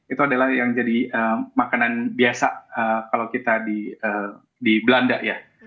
itu adalah yang jadi makanan biasa kalau kita di belanda ya